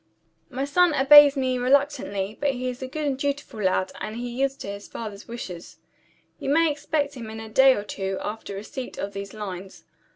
"My son obeys me reluctantly; but he is a good and dutiful lad and he yields to his father's wishes. You may expect him in a day or two after receipt of these lines.